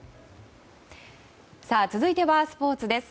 続いてはスポーツです。